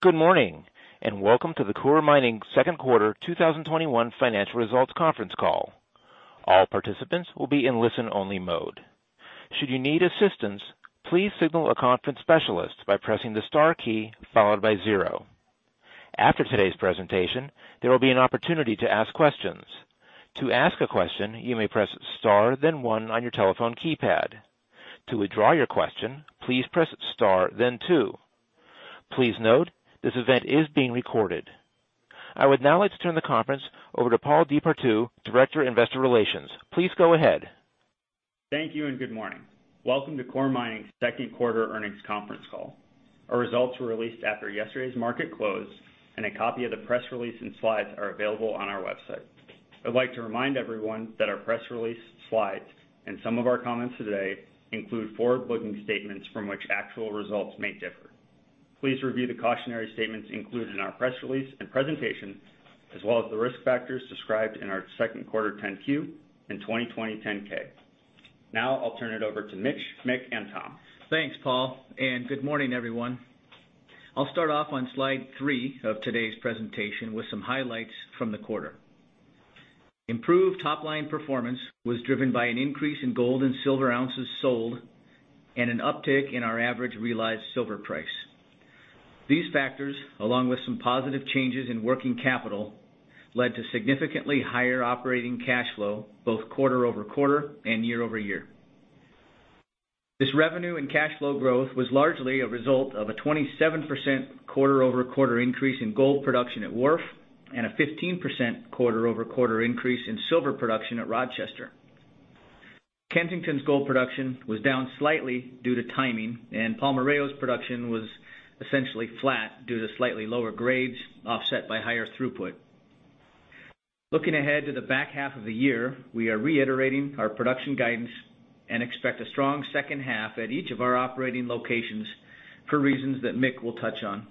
Good morning, and welcome to the Coeur Mining second quarter 2021 financial results conference call. All participants will be in listen-only mode. Should you need assistance, please signal a conference specialist by pressing the star key followed by zero. After today's presentation, there will be an opportunity to ask questions. To ask a question, you may press star then one on your telephone keypad. To withdraw your question, please press star then two. Please note, this event is being recorded. I would now like to turn the conference over to Paul DePartout, Director, Investor Relations. Please go ahead. Thank you, and good morning. Welcome to Coeur Mining's second quarter earnings conference call. Our results were released after yesterday's market close, and a copy of the press release and slides are available on our website. I'd like to remind everyone that our press release, slides, and some of our comments today include forward-looking statements from which actual results may differ. Please review the cautionary statements included in our press release and presentation, as well as the risk factors described in our second quarter 10-Q and 2020 10-K. Now, I'll turn it over to Mitch, Mick, and Tom. Thanks, Paul, and good morning, everyone. I'll start off on slide three of today's presentation with some highlights from the quarter. Improved top-line performance was driven by an increase in gold and silver ounces sold and an uptick in our average realized silver price. These factors, along with some positive changes in working capital, led to significantly higher operating cash flow both quarter-over-quarter and year-over-year. This revenue and cash flow growth was largely a result of a 27% quarter-over-quarter increase in gold production at Wharf and a 15% quarter-over-quarter increase in silver production at Rochester. Kensington's gold production was down slightly due to timing, and Palmarejo's production was essentially flat due to slightly lower grades offset by higher throughput. Looking ahead to the back half of the year, we are reiterating our production guidance and expect a strong second half at each of our operating locations for reasons that Mick will touch on.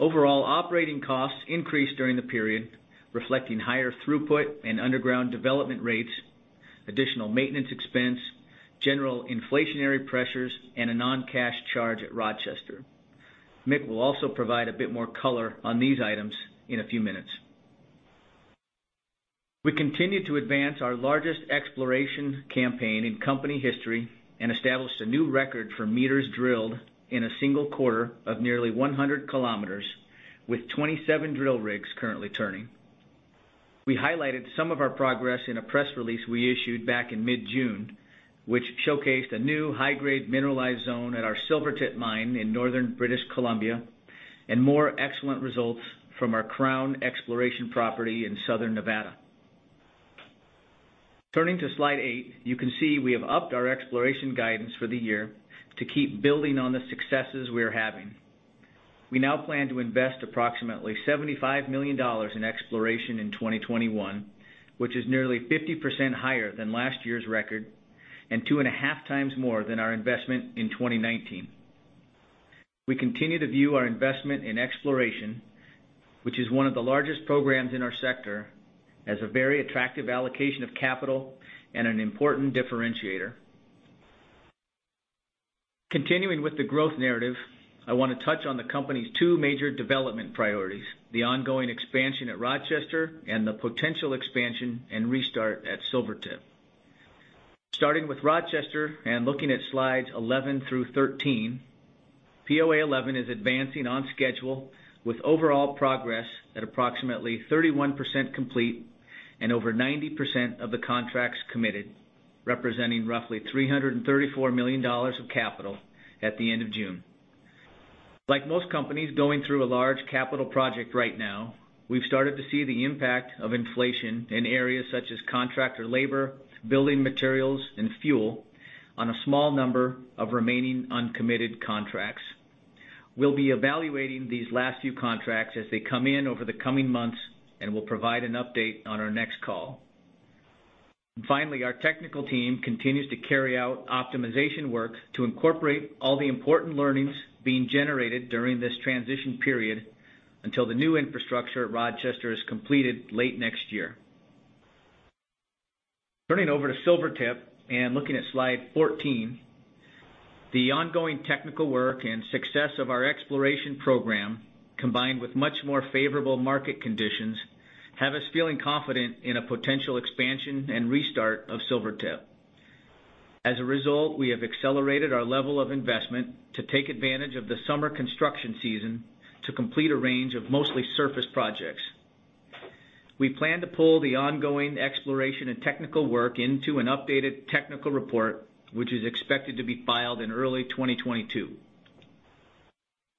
Overall operating costs increased during the period, reflecting higher throughput and underground development rates, additional maintenance expense, general inflationary pressures, and a non-cash charge at Rochester. Mick will also provide a bit more color on these items in a few minutes. We continued to advance our largest exploration campaign in company history and established a new record for meters drilled in a single quarter of nearly 100 km with 27 drill rigs currently turning. We highlighted some of our progress in a press release we issued back in mid-June, which showcased a new high-grade mineralized zone at our Silvertip mine in northern British Columbia and more excellent results from our Crown exploration property in southern Nevada. Turning to slide eight, you can see we have upped our exploration guidance for the year to keep building on the successes we are having. We now plan to invest approximately $75 million in exploration in 2021, which is nearly 50% higher than last year's record and 2.5x more than our investment in 2019. We continue to view our investment in exploration, which is one of the largest programs in our sector, as a very attractive allocation of capital and an important differentiator. Continuing with the growth narrative, I want to touch on the company's two major development priorities, the ongoing expansion at Rochester and the potential expansion and restart at Silvertip. Starting with Rochester and looking at slides 11-13, POA 11 is advancing on schedule with overall progress at approximately 31% complete and over 90% of the contracts committed, representing roughly $334 million of capital at the end of June. Like most companies going through a large capital project right now, we've started to see the impact of inflation in areas such as contractor labor, building materials, and fuel on a small number of remaining uncommitted contracts. We'll be evaluating these last few contracts as they come in over the coming months and will provide an update on our next call. Finally, our technical team continues to carry out optimization work to incorporate all the important learnings being generated during this transition period until the new infrastructure at Rochester is completed late next year. Turning over to Silvertip and looking at slide 14, the ongoing technical work and success of our exploration program, combined with much more favorable market conditions, have us feeling confident in a potential expansion and restart of Silvertip. As a result, we have accelerated our level of investment to take advantage of the summer construction season to complete a range of mostly surface projects. We plan to pull the ongoing exploration and technical work into an updated technical report, which is expected to be filed in early 2022.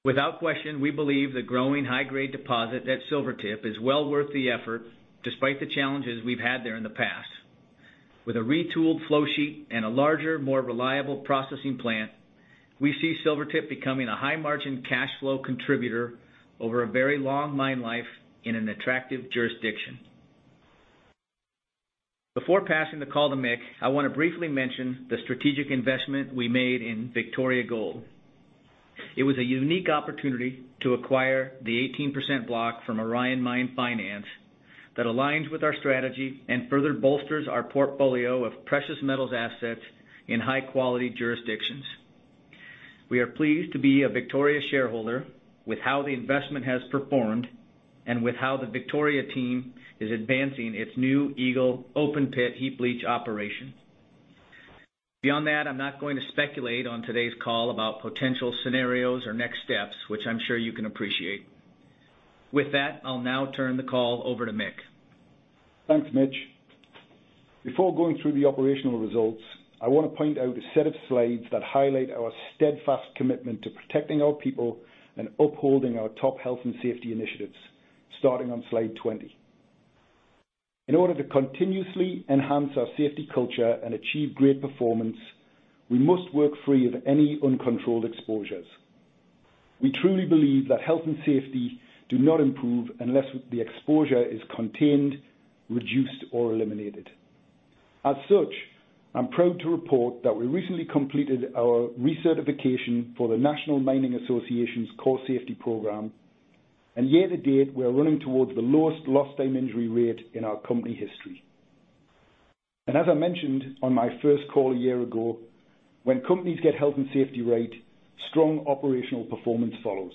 Without question, we believe the growing high-grade deposit at Silvertip is well worth the effort despite the challenges we've had there in the past. With a retooled flow sheet and a larger, more reliable processing plant, we see Silvertip becoming a high-margin cash flow contributor over a very long mine life in an attractive jurisdiction. Before passing the call to Mick, I want to briefly mention the strategic investment we made in Victoria Gold. It was a unique opportunity to acquire the 18% block from Orion Mine Finance. That aligns with our strategy and further bolsters our portfolio of precious metals assets in high-quality jurisdictions. We are pleased to be a Victoria shareholder with how the investment has performed and with how the Victoria team is advancing its new Eagle open-pit heap leach operation. Beyond that, I'm not going to speculate on today's call about potential scenarios or next steps, which I'm sure you can appreciate. With that, I'll now turn the call over to Mick. Thanks, Mitch. Before going through the operational results, I want to point out a set of slides that highlight our steadfast commitment to protecting our people and upholding our top health and safety initiatives, starting on slide 20. In order to continuously enhance our safety culture and achieve great performance, we must work free of any uncontrolled exposures. We truly believe that health and safety do not improve unless the exposure is contained, reduced, or eliminated. As such, I'm proud to report that we recently completed our recertification for the National Mining Association's CORESafety Program. Year-to-date, we are running towards the lowest lost time injury rate in our company history. As I mentioned on my first call a year ago, when companies get health and safety right, strong operational performance follows.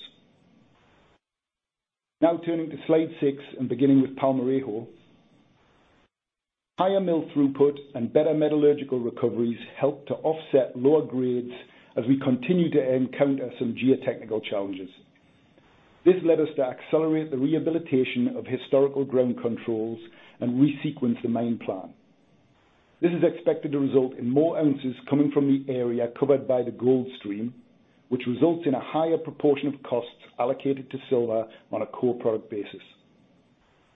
Turning to slide six and beginning with Palmarejo. Higher mill throughput and better metallurgical recoveries helped to offset lower grades as we continue to encounter some geotechnical challenges. This led us to accelerate the rehabilitation of historical ground controls and resequence the mine plan. This is expected to result in more ounces coming from the area covered by the gold stream, which results in a higher proportion of costs allocated to silver on a co-product basis.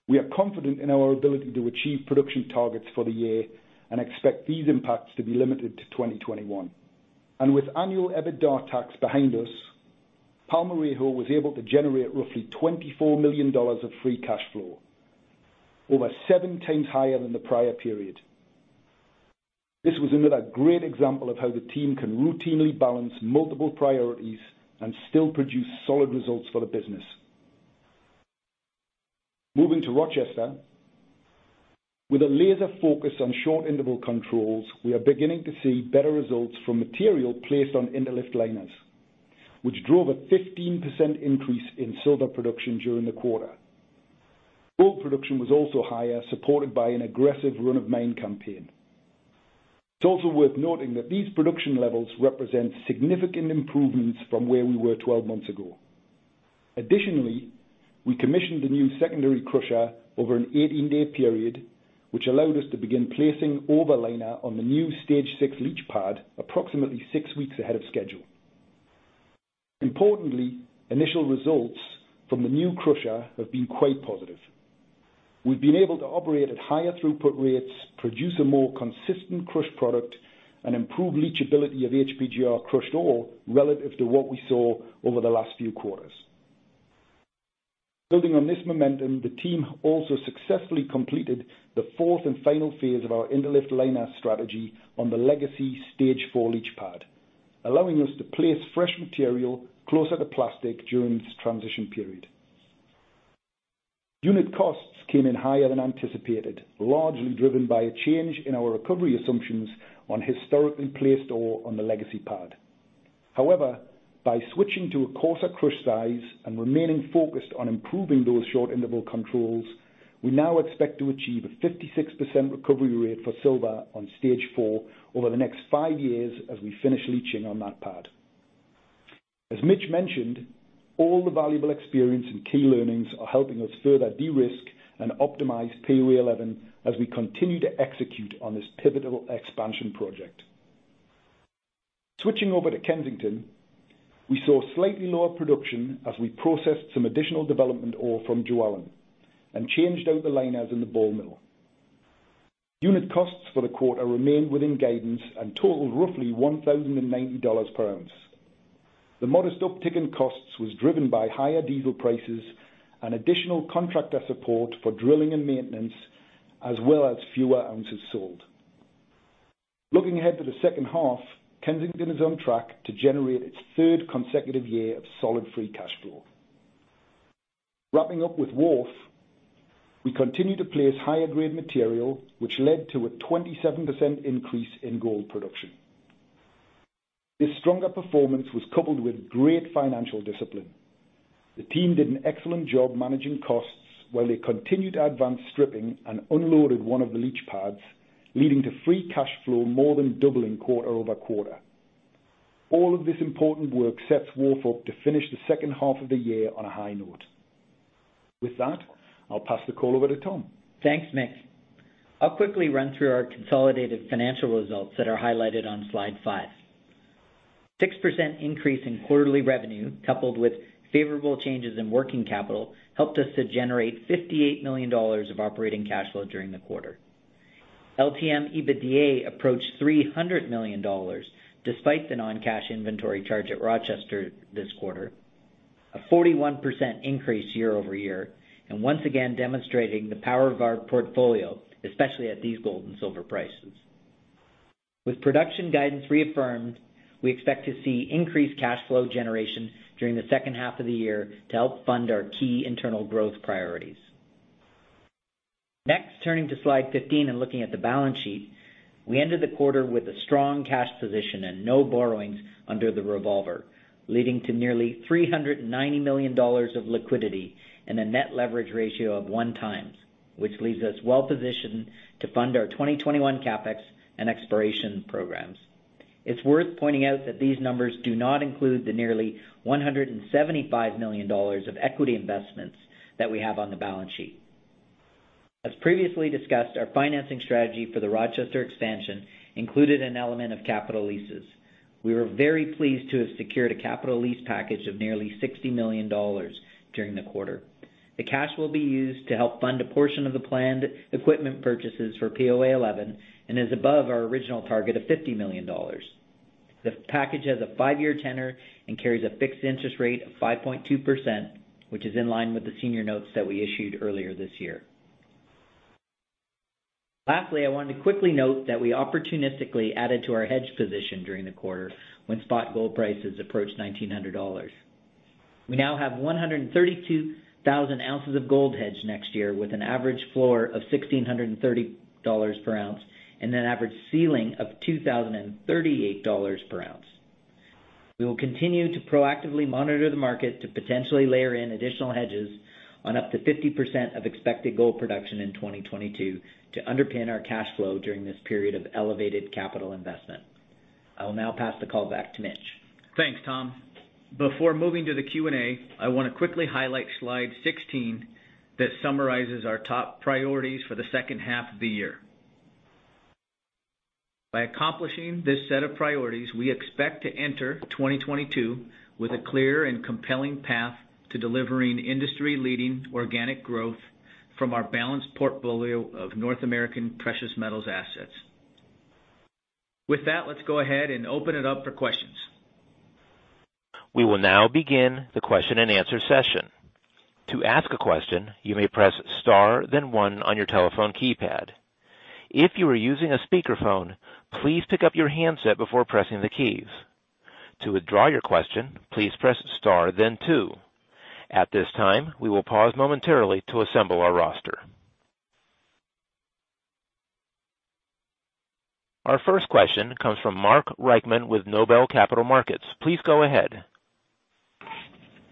We are confident in our ability to achieve production targets for the year and expect these impacts to be limited to 2021. With annual EBITDA tax behind us, Palmarejo was able to generate roughly $24 million of free cash flow, over seven times higher than the prior period. This was another great example of how the team can routinely balance multiple priorities and still produce solid results for the business. Moving to Rochester. With a laser focus on short interval controls, we are beginning to see better results from material placed on interlift liners, which drove a 15% increase in silver production during the quarter. Gold production was also higher, supported by an aggressive run of mine campaign. It is also worth noting that these production levels represent significant improvements from where we were 12 months ago. Additionally, we commissioned the new secondary crusher over an 18-day period, which allowed us to begin placing overliner on the new Stage 6 leach pad approximately six weeks ahead of schedule. Importantly, initial results from the new crusher have been quite positive. We have been able to operate at higher throughput rates, produce a more consistent crushed product, and improve leachability of HPGR crushed ore relative to what we saw over the last few quarters. Building on this momentum, the team also successfully completed the fourth and final phase of our interlift liner strategy on the legacy Stage 4 leach pad, allowing us to place fresh material closer to plastic during this transition period. Unit costs came in higher than anticipated, largely driven by a change in our recovery assumptions on historically placed ore on the legacy pad. By switching to a coarser crush size and remaining focused on improving those short interval controls, we now expect to achieve a 56% recovery rate for silver on Stage 4 over the next ive years as we finish leaching on that pad. As Mitch mentioned, all the valuable experience and key learnings are helping us further de-risk and optimize Palmarejo as we continue to execute on this pivotal expansion project. Switching over to Kensington, we saw slightly lower production as we processed some additional development ore from Jualin and changed out the liners in the ball mill. Unit costs for the quarter remained within guidance and totaled roughly $1,090 per ounce. The modest uptick in costs was driven by higher diesel prices and additional contractor support for drilling and maintenance, as well as fewer ounces sold. Looking ahead to the second half, Kensington is on track to generate its third consecutive year of solid free cash flow. Wrapping up with Wharf, we continue to place higher grade material, which led to a 27% increase in gold production. This stronger performance was coupled with great financial discipline. The team did an excellent job managing costs while they continued to advance stripping and unloaded one of the leach pads, leading to free cash flow more than doubling quarter-over-quarter. All of this important work sets Wharf up to finish the second half of the year on a high note. With that, I'll pass the call over to Tom. Thanks, Mick. I'll quickly run through our consolidated financial results that are highlighted on slide five. 6% increase in quarterly revenue, coupled with favorable changes in working capital, helped us to generate $58 million of operating cash flow during the quarter. LTM EBITDA approached $300 million, despite the non-cash inventory charge at Rochester this quarter, a 41% increase year-over-year, once again demonstrating the power of our portfolio, especially at these gold and silver prices. With production guidance reaffirmed, we expect to see increased cash flow generation during the second half of the year to help fund our key internal growth priorities. Next, turning to slide 15 and looking at the balance sheet. We ended the quarter with a strong cash position and no borrowings under the revolver, leading to nearly $390 million of liquidity and a net leverage ratio of one times, which leaves us well-positioned to fund our 2021 CapEx and exploration programs. It's worth pointing out that these numbers do not include the nearly $175 million of equity investments that we have on the balance sheet. As previously discussed, our financing strategy for the Rochester expansion included an element of capital leases. We were very pleased to have secured a capital lease package of nearly $60 million during the quarter. The cash will be used to help fund a portion of the planned equipment purchases for POA 11 and is above our original target of $50 million. The package has a five-year tenor and carries a fixed interest rate of 5.2%, which is in line with the senior notes that we issued earlier this year. Lastly, I wanted to quickly note that we opportunistically added to our hedge position during the quarter when spot gold prices approached $1,900. We now have 132,000 ounces of gold hedged next year, with an average floor of $1,630 per ounce and an average ceiling of $2,038 per ounce. We will continue to proactively monitor the market to potentially layer in additional hedges on up to 50% of expected gold production in 2022 to underpin our cash flow during this period of elevated capital investment. I will now pass the call back to Mitch. Thanks, Tom. Before moving to the Q&A, I want to quickly highlight slide 16 that summarizes our top priorities for the second half of the year. By accomplishing this set of priorities, we expect to enter 2022 with a clear and compelling path to delivering industry-leading organic growth from our balanced portfolio of North American precious metals assets. With that, let's go ahead and open it up for questions. We will now begin the question and answer session. At this time, we will pause momentarily to assemble our roster. Our first question comes from Mark Reichman with Noble Capital Markets. Please go ahead.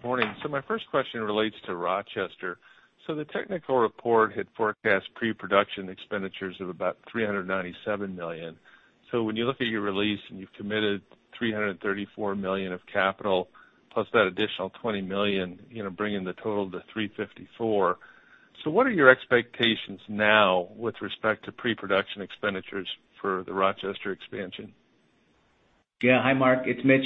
Morning. My first question relates to Rochester. The technical report had forecast pre-production expenditures of about $397 million. When you look at your release and you've committed $334 million of capital, plus that additional $20 million, bringing the total to $354 million. What are your expectations now with respect to pre-production expenditures for the Rochester expansion? Hi, Mark, it's Mitch.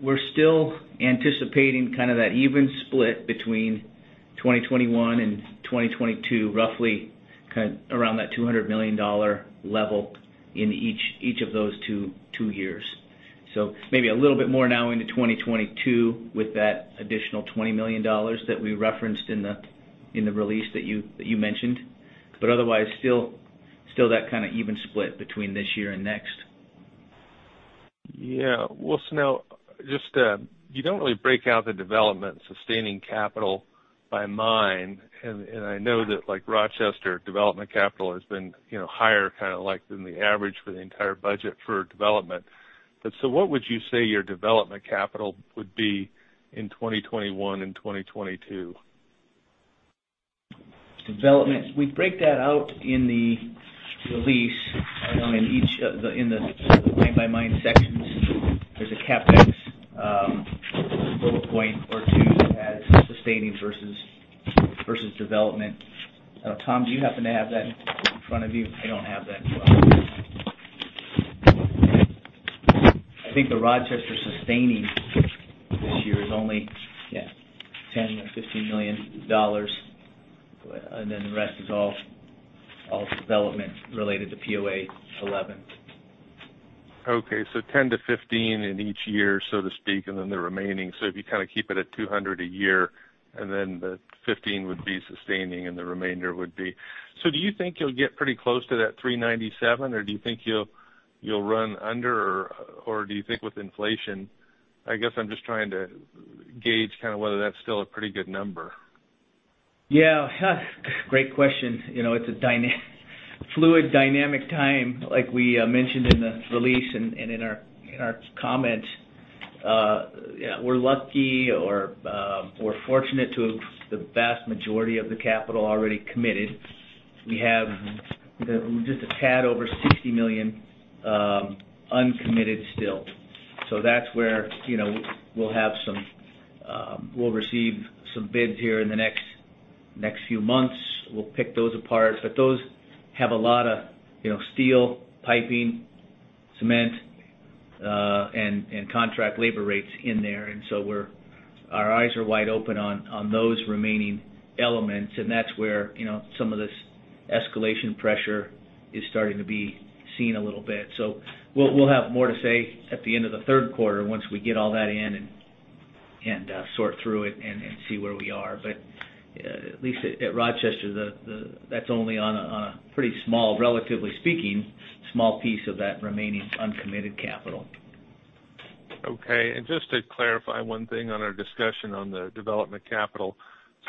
We're still anticipating kind of that even split between 2021 and 2022, roughly around that $200 million level in each of those two years. Maybe a little bit more now into 2022 with that additional $20 million that we referenced in the release that you mentioned. Otherwise, still that kind of even split between this year and next. Well, now, you don't really break out the development sustaining capital by mine, and I know that like Rochester, development capital has been higher kind of like than the average for the entire budget for development. What would you say your development capital would be in 2021 and 2022? Development. We break that out in the release, in the mine-by-mine sections. There's a CapEx bullet point or two that has sustaining versus development. Tom, do you happen to have that in front of you? I don't have that in front of me. I think the Rochester sustaining this year is only, yeah, $10 or $15 million. The rest is all development related to POA 11. Okay, $10-$15 in each year, so to speak, and then the remaining. If you kind of keep it at $200 a year, and then the $15 would be sustaining. Do you think you'll get pretty close to that $397, or do you think you'll run under or do you think with inflation? I guess I'm just trying to gauge kind of whether that's still a pretty good number. Yeah. Great question. It's a fluid, dynamic time, like we mentioned in the release and in our comments. We're lucky or fortunate to have the vast majority of the capital already committed. We have just a tad over $60 million uncommitted still. That's where we'll receive some bids here in the next few months. We'll pick those apart. Those have a lot of steel, piping, cement, and contract labor rates in there. Our eyes are wide open on those remaining elements, and that's where some of this escalation pressure is starting to be seen a little bit. We'll have more to say at the end of the third quarter once we get all that in and sort through it and see where we are. At least at Rochester, that's only on a pretty small, relatively speaking, small piece of that remaining uncommitted capital. Okay. Just to clarify one thing on our discussion on the development capital.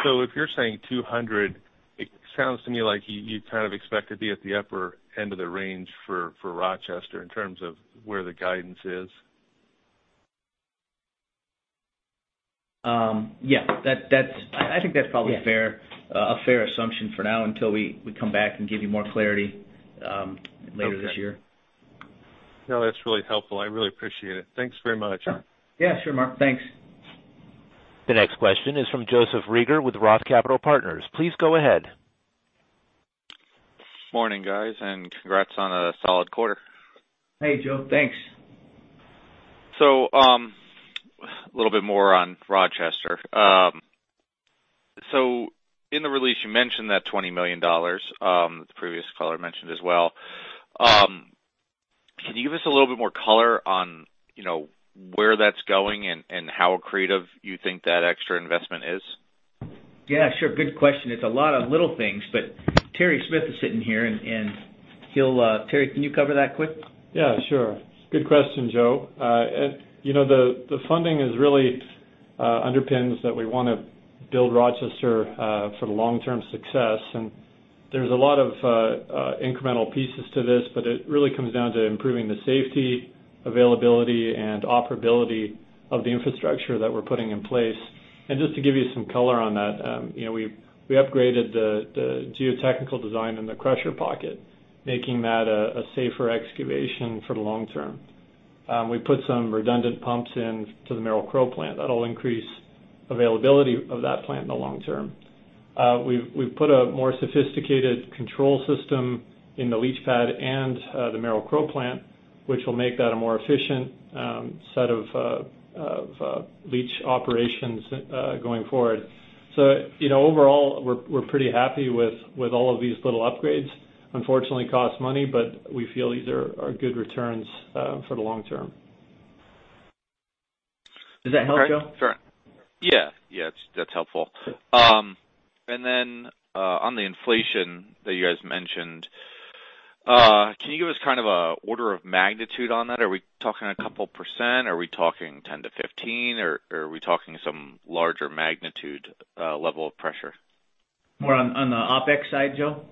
If you're saying $200, it sounds to me like you kind of expect to be at the upper end of the range for Rochester in terms of where the guidance is. Yes. I think. Yes A fair assumption for now until we come back and give you more clarity later this year. Okay. No, that's really helpful. I really appreciate it. Thanks very much. Sure. Yeah. Sure, Mark. Thanks. The next question is from Joseph Reagor with Roth Capital Partners. Please go ahead. Morning, guys, and congrats on a solid quarter. Hey, Joe. Thanks. A little bit more on Rochester. In the release, you mentioned that $20 million, the previous caller mentioned as well. Can you give us a little bit more color on where that's going and how creative you think that extra investment is? Yeah, sure. Good question. It's a lot of little things, but Terry Smith is sitting here, and Terry, can you cover that quick? Yeah, sure. Good question, Joe. The funding is really underpins that we want to build Rochester for the long-term success. There's a lot of incremental pieces to this, but it really comes down to improving the safety, availability, and operability of the infrastructure that we're putting in place. Just to give you some color on that, we upgraded the geotechnical design in the crusher pocket, making that a safer excavation for the long-term. We put some redundant pumps into the Merrill-Crowe plant. That'll increase availability of that plant in the long-term. We've put a more sophisticated control system in the leach pad and the Merrill-Crowe plant, which will make that a more efficient set of leach operations going forward. Overall, we're pretty happy with all of these little upgrades. Unfortunately, cost money, we feel these are good returns for the long-term. Does that help, Joe? Sure. Yeah. That's helpful. On the inflation that you guys mentioned, can you give us an order of magnitude on that? Are we talking a couple of percent? Are we talking 10%-15%, or are we talking some larger magnitude, level of pressure? More on the OpEx side, Joe?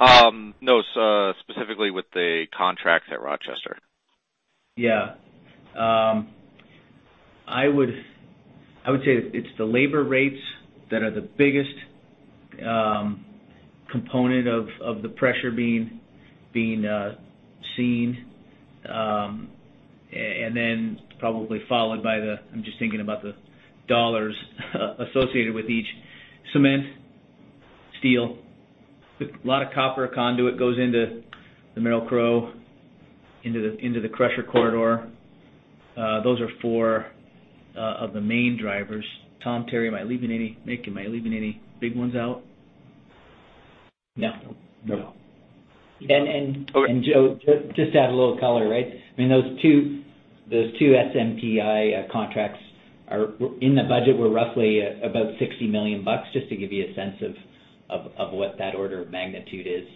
No, specifically with the contracts at Rochester. Yeah. I would say it's the labor rates that are the biggest component of the pressure being seen, and then probably followed by the I'm just thinking about the dollars associated with each cement, steel. A lot of copper conduit goes into the Merrill Crowe, into the crusher corridor. Those are four of the main drivers. Tom, Terry, Mick, am I leaving any big ones out? No. No. Joe, just to add a little color. Those two SMPI contracts in the budget were roughly about $60 million bucks, just to give you a sense of what that order of magnitude is.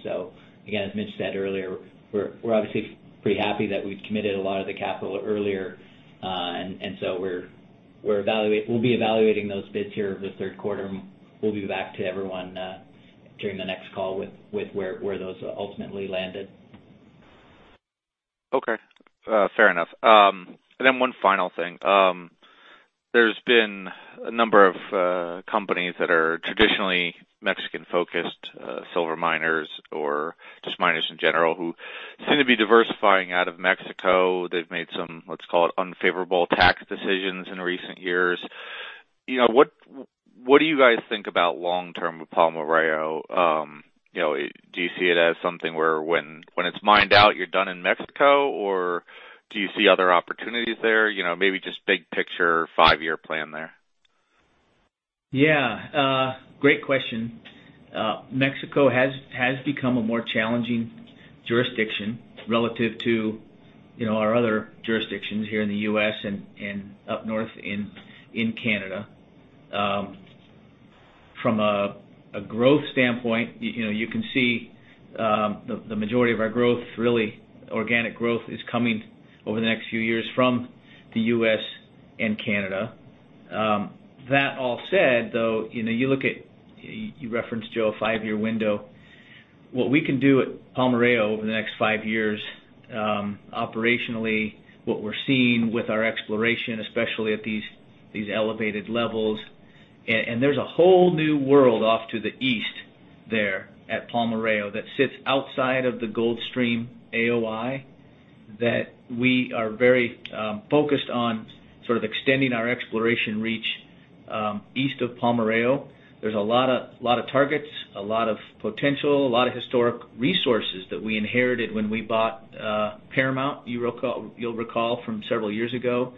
Again, as Mitch said earlier, we're obviously pretty happy that we've committed a lot of the capital earlier. We'll be evaluating those bids here over the third quarter, and we'll be back to everyone during the next call with where those ultimately landed. Okay. Fair enough. Then 1 final thing. There's been a number of companies that are traditionally Mexican-focused, silver miners or just miners in general, who seem to be diversifying out of Mexico. They've made some, let's call it, unfavorable tax decisions in recent years. What do you guys think about long term with Palmarejo? Do you see it as something where when it's mined out, you're done in Mexico, or do you see other opportunities there? Maybe just big picture, five-year plan there. Yeah. Great question. Mexico has become a more challenging jurisdiction relative to our other jurisdictions here in the U.S. and up north in Canada. From a growth standpoint, you can see the majority of our growth, really organic growth is coming over the next few years from the U.S. and Canada. That all said, though, you look at, you referenced, Joe, a five-year window. What we can do at Palmarejo over the next five years, operationally, what we're seeing with our exploration, especially at these elevated levels. There's a whole new world off to the east there at Palmarejo that sits outside of the gold stream AOI that we are very focused on sort of extending our exploration reach east of Palmarejo. There's a lot of targets, a lot of potential, a lot of historic resources that we inherited when we bought Paramount. You'll recall from several years ago.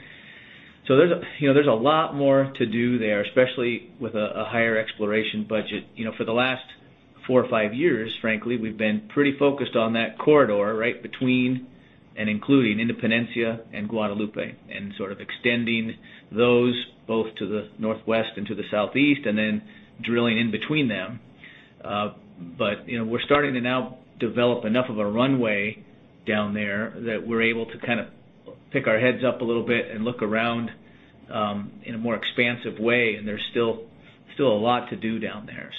There's a lot more to do there, especially with a higher exploration budget. For the last four or five years, frankly, we've been pretty focused on that corridor, right between and including Independencia and Guadalupe, and sort of extending those both to the northwest and to the southeast, and then drilling in between them. We're starting to now develop enough of a runway down there that we're able to kind of pick our heads up a little bit and look around in a more expansive way, and there's still a lot to do down there.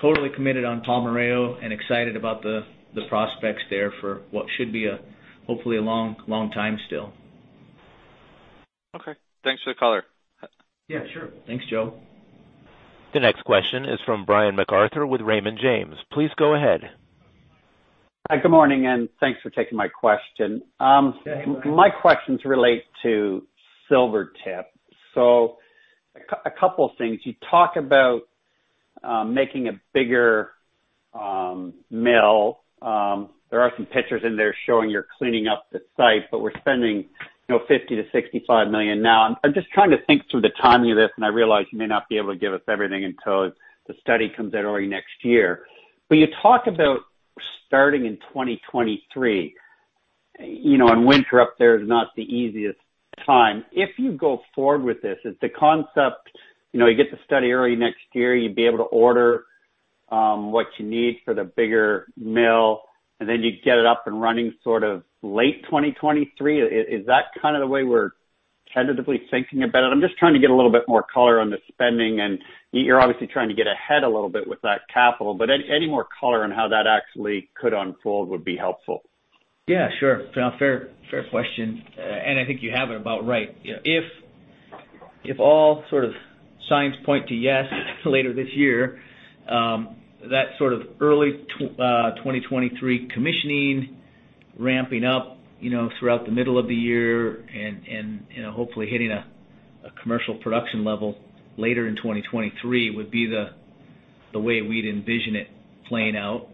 Totally committed on Palmarejo and excited about the prospects there for what should be hopefully a long time still. Okay. Thanks for the color. Yeah, sure. Thanks, Joe. The next question is from Brian MacArthur with Raymond James. Please go ahead. Hi. Good morning, and thanks for taking my question. Yeah, you bet. My questions relate to Silvertip. A couple things. You talk about making a bigger mill. There are some pictures in there showing you're cleaning up the site, but we're spending $50-$65 million now. I'm just trying to think through the timing of this, and I realize you may not be able to give us everything until the study comes out early next year. You talk about starting in 2023. Winter up there is not the easiest time. If you go forward with this, is the concept, you get the study early next year, you'd be able to order what you need for the bigger mill, and then you'd get it up and running sort of late 2023. Is that kind of the way we're tentatively thinking about it? I'm just trying to get a little bit more color on the spending. You're obviously trying to get ahead a little bit with that capital. Any more color on how that actually could unfold would be helpful. Yeah, sure. Fair question, and I think you have it about right. If all sort of signs point to yes later this year, that sort of early 2023 commissioning, ramping up throughout the middle of the year and hopefully hitting a commercial production level later in 2023 would be the way we'd envision it playing out.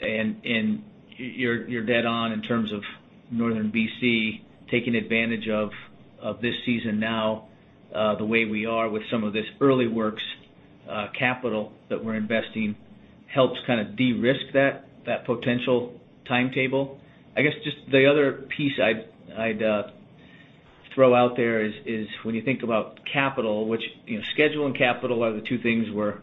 You're dead on in terms of northern B.C., taking advantage of this season now, the way we are with some of this early works capital that we're investing helps kind of de-risk that potential timetable. I guess, just the other piece I'd throw out there is when you think about capital, which schedule and capital are the two things we're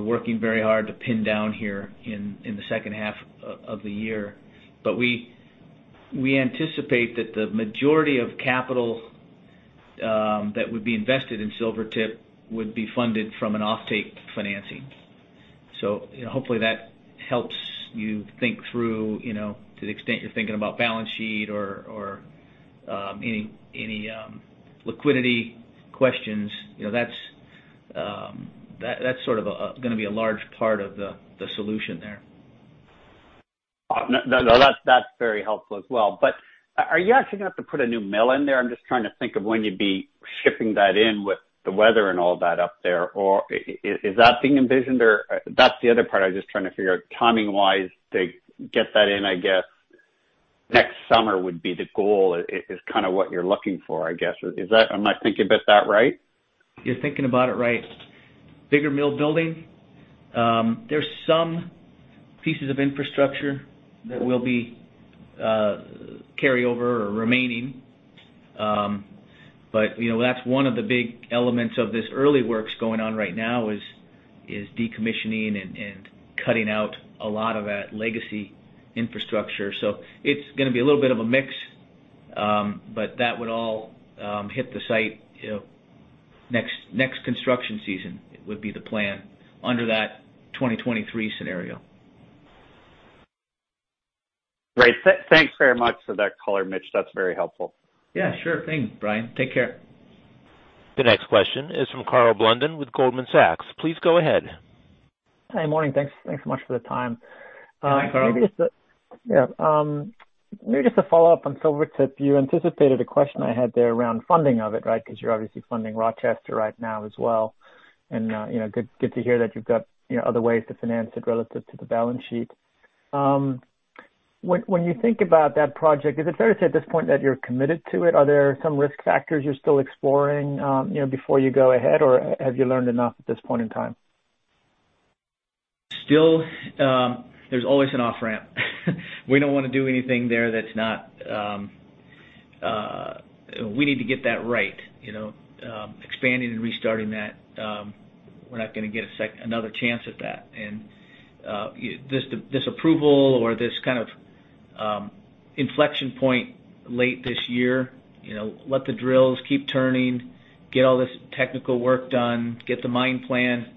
working very hard to pin down here in the second half of the year. We anticipate that the majority of capital that would be invested in Silvertip would be funded from an offtake financing. Hopefully that helps you think through to the extent you're thinking about balance sheet or any liquidity questions, that's sort of going to be a large part of the solution there. No, that's very helpful as well. Are you actually going to have to put a new mill in there? I'm just trying to think of when you'd be shipping that in with the weather and all that up there, or is that being envisioned? That's the other part I was just trying to figure out, timing-wise to get that in, I guess, next summer would be the goal is kind of what you're looking for, I guess. Am I thinking about that right? You're thinking about it right. Bigger mill building. There's some pieces of infrastructure that will be carryover or remaining. That's one of the big elements of this early works going on right now is decommissioning and cutting out a lot of that legacy infrastructure. It's going to be a little bit of a mix. That would all hit the site next construction season would be the plan under that 2023 scenario. Great. Thanks very much for that color, Mitch. That's very helpful. Yeah, sure thing, Brian. Take care. The next question is from Karl Blunden with Goldman Sachs. Please go ahead. Hi. Morning. Thanks so much for the time. Hi, Karl. Maybe just a follow-up on Silvertip. You anticipated a question I had there around funding of it, right? Because you're obviously funding Rochester right now as well. Good to hear that you've got other ways to finance it relative to the balance sheet. When you think about that project, is it fair to say at this point that you're committed to it? Are there some risk factors you're still exploring before you go ahead, or have you learned enough at this point in time? Still, there's always an off-ramp. We need to get that right. Expanding and restarting that, we're not going to get another chance at that. This approval or this kind of inflection point late this year, let the drills keep turning, get all this technical work done, get the mine plan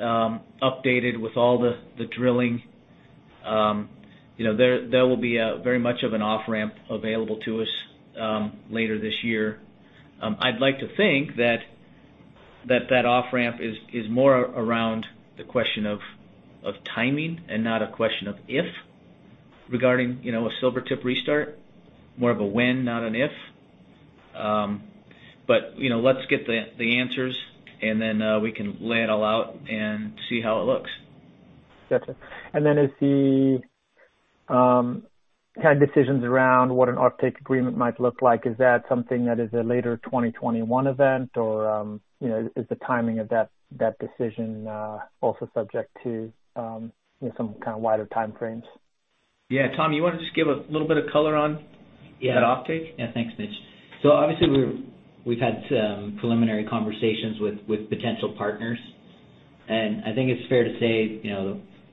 updated with all the drilling. There will be very much of an off-ramp available to us later this year. I'd like to think that that off-ramp is more around the question of timing and not a question of if, regarding a Silvertip restart, more of a when, not an if. Let's get the answers, and then we can lay it all out and see how it looks. Gotcha. As the decisions around what an offtake agreement might look like, is that something that is a later 2021 event, or is the timing of that decision also subject to some kind of wider time frames? Yeah. Tom, you want to just give a little bit of color on that offtake? Yeah. Thanks, Mitch. Obviously we've had some preliminary conversations with potential partners, and I think it's fair to say,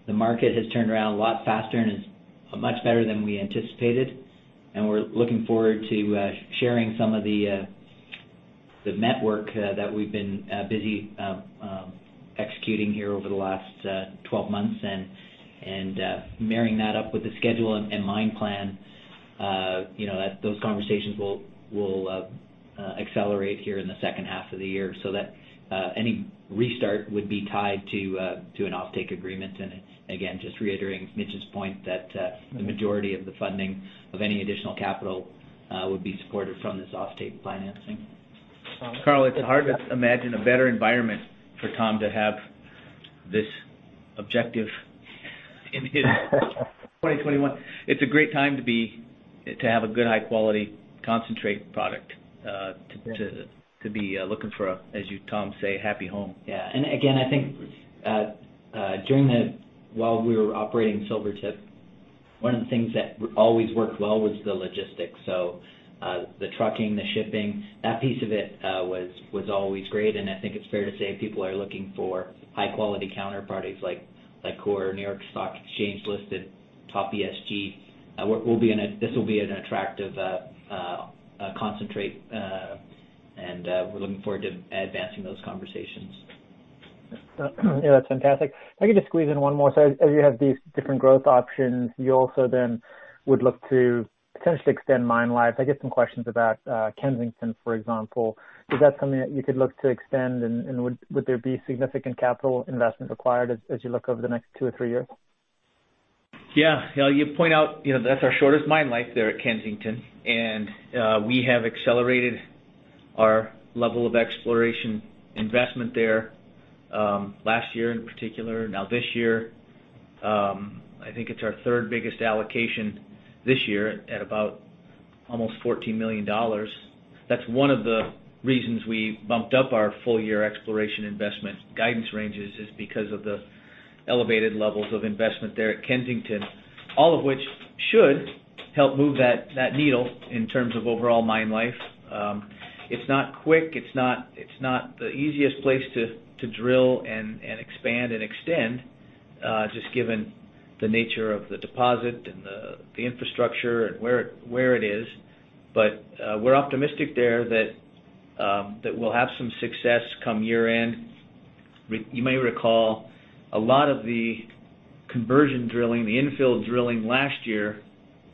the market has turned around a lot faster and is much better than we anticipated. We're looking forward to sharing some of the network that we've been busy executing here over the last 12 months, and marrying that up with the schedule and mine plan. Those conversations will accelerate here in the second half of the year. That any restart would be tied to an offtake agreement. Again, just reiterating Mitch's point that the majority of the funding of any additional capital would be supported from this offtake financing. Karl, it's hard to imagine a better environment for Tom to have this objective in his 2021. It's a great time to have a good high-quality concentrate product to be looking for a, as you, Tom, say, happy home. Yeah. Again, I think while we were operating Silvertip, one of the things that always worked well was the logistics. The trucking, the shipping, that piece of it was always great. I think it's fair to say people are looking for high-quality counterparties like Coeur, New York Stock Exchange listed, top ESG. This will be an attractive concentrate, and we're looking forward to advancing those conversations. Yeah, that's fantastic. If I could just squeeze in one more. As you have these different growth options, you also then would look to potentially extend mine life. I get some questions about Kensington, for example. Is that something that you could look to extend, and would there be significant capital investment required as you look over the next two or three years? Yeah. You point out that's our shortest mine life there at Kensington, and we have accelerated our level of exploration investment there, last year in particular. Now this year, I think it's our third biggest allocation this year at about almost $14 million. That's one of the reasons we bumped up our full year exploration investment guidance ranges is because of the elevated levels of investment there at Kensington. All of which should help move that needle in terms of overall mine life. It's not quick, it's not the easiest place to drill and expand and extend, just given the nature of the deposit and the infrastructure and where it is. We're optimistic there that we'll have some success come year-end. You may recall a lot of the conversion drilling, the infill drilling last year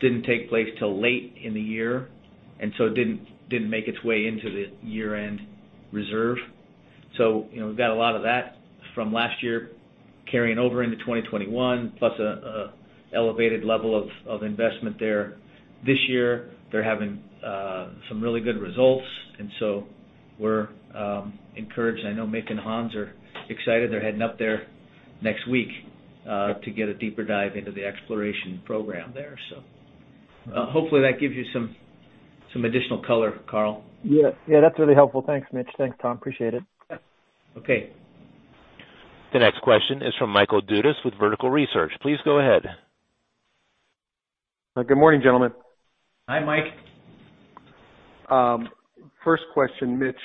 didn't take place till late in the year, and so it didn't make its way into the year-end reserve. We've got a lot of that from last year carrying over into 2021, plus an elevated level of investment there. This year, they're having some really good results, and so we're encouraged. I know Mick and Hans are excited. They're heading up there next week to get a deeper dive into the exploration program there. Hopefully that gives you some additional color, Karl. Yeah, that's really helpful. Thanks, Mitch. Thanks, Tom. Appreciate it. Okay. The next question is from Michael Dudas with Vertical Research. Please go ahead. Good morning, gentlemen. Hi, Mike. First question, Mitch.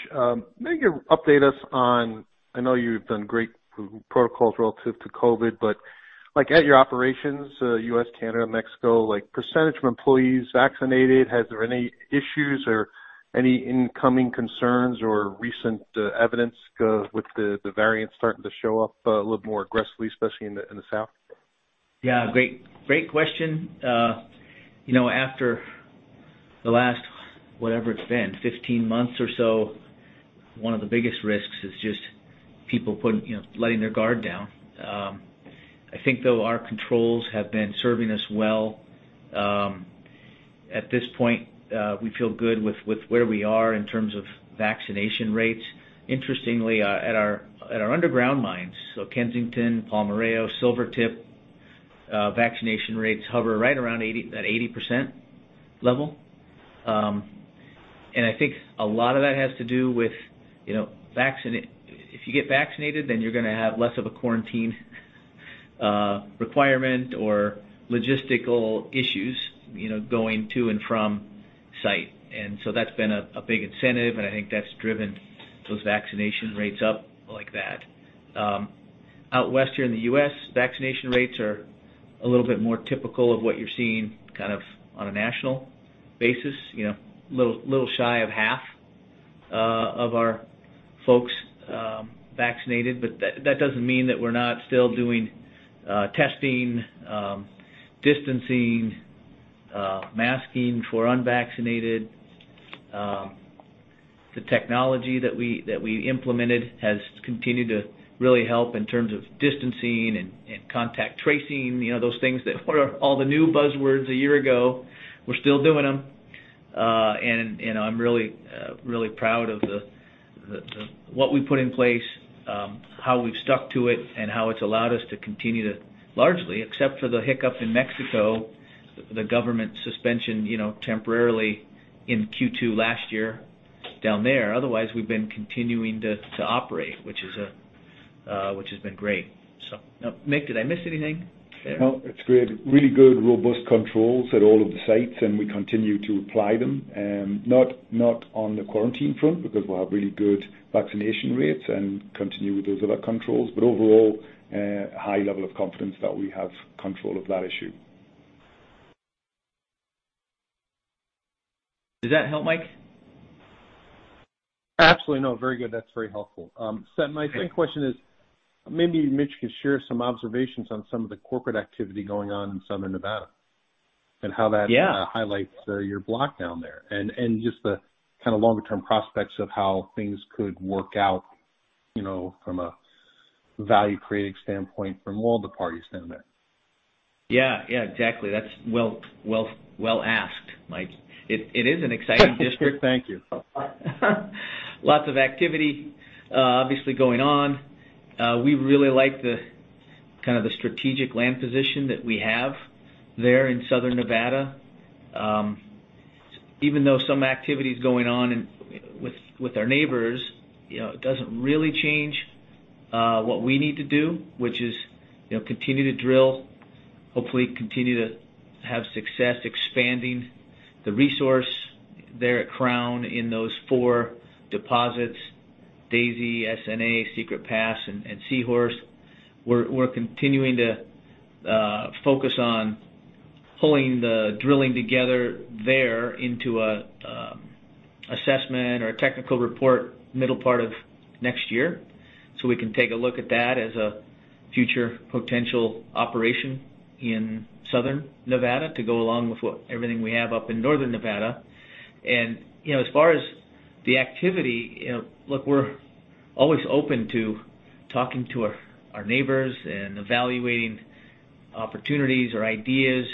Maybe you update us on, I know you've done great protocols relative to COVID, but at your operations, U.S., Canada, Mexico, percentage of employees vaccinated. Has there any issues or any incoming concerns or recent evidence with the variants starting to show up a little more aggressively, especially in the South? Yeah, great question. After the last, whatever it's been, 15 months or so, one of the biggest risks is just people letting their guard down. I think our controls have been serving us well. At this point, we feel good with where we are in terms of vaccination rates. Interestingly, at our underground mines, so Kensington, Palmarejo, Silvertip, vaccination rates hover right around that 80% level. I think a lot of that has to do with, if you get vaccinated, then you're going to have less of a quarantine requirement or logistical issues going to and from site. That's been a big incentive, and I think that's driven those vaccination rates up like that. Out west here in the U.S., vaccination rates are a little bit more typical of what you're seeing on a national basis. A little shy of half of our folks vaccinated. That doesn't mean that we're not still doing testing, distancing, masking for unvaccinated. The technology that we implemented has continued to really help in terms of distancing and contact tracing. Those things that were all the new buzzwords a year ago, we're still doing them. I'm really proud of what we've put in place, how we've stuck to it, and how it's allowed us to continue to, largely except for the hiccup in Mexico, the government suspension temporarily in Q2 last year down there. Otherwise, we've been continuing to operate, which has been great. Mick, did I miss anything there? No, it's good. Really good, robust controls at all of the sites, we continue to apply them. Not on the quarantine front, because we'll have really good vaccination rates and continue with those other controls. Overall, a high level of confidence that we have control of that issue. Does that help, Mike? Absolutely. No, very good. That's very helpful. My second question is, maybe Mitch can share some observations on some of the corporate activity going on in Southern Nevada. Yeah A highlights your block down there, and just the longer-term prospects of how things could work out from a value-creating standpoint from all the parties down there. Yeah, exactly. That's well asked, Mike. It is an exciting district. Thank you. Lots of activity obviously going on. We really like the strategic land position that we have there in Southern Nevada. Even though some activity is going on with our neighbors, it doesn't really change what we need to do, which is continue to drill, hopefully continue to have success expanding the resource there at Crown in those four deposits, Daisy, SNA, Secret Pass, and C-Horst. We're continuing to focus on pulling the drilling together there into an assessment or a technical report middle part of next year, so we can take a look at that as a future potential operation in Southern Nevada to go along with everything we have up in Northern Nevada. As far as the activity, look, we're always open to talking to our neighbors and evaluating opportunities or ideas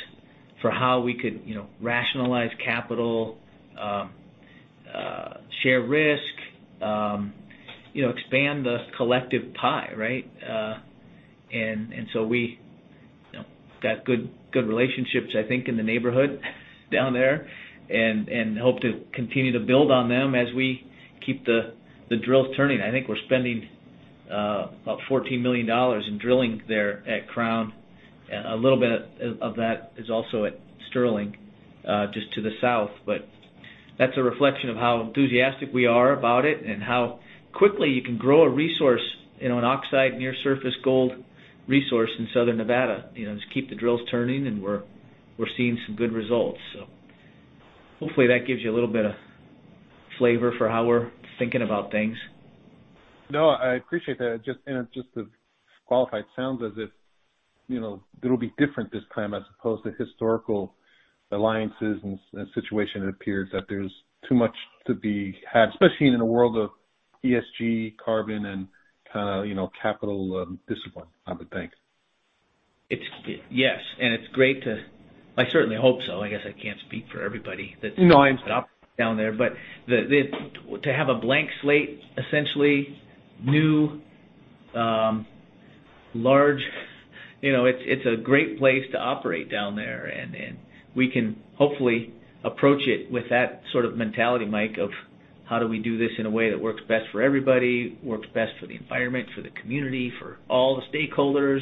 for how we could rationalize capital, share risk, expand the collective pie, right? We got good relationships, I think, in the neighborhood down there and hope to continue to build on them as we keep the drills turning. I think we're spending about $14 million in drilling there at Crown. A little bit of that is also at Sterling, just to the south. That's a reflection of how enthusiastic we are about it and how quickly you can grow a resource, an oxide near surface gold resource in Southern Nevada. Just keep the drills turning, and we're seeing some good results. Hopefully that gives you a little bit of flavor for how we're thinking about things. No, I appreciate that. Just to qualify, it sounds as if it'll be different this time as opposed to historical alliances and situation. It appears that there's too much to be had, especially in a world of ESG, carbon, and capital discipline, I would think. Yes, I certainly hope so. I guess I can't speak for everybody. No, I understand. Down there, to have a blank slate, essentially, new, large, it's a great place to operate down there. We can hopefully approach it with that sort of mentality, Mike, of how do we do this in a way that works best for everybody, works best for the environment, for the community, for all the stakeholders.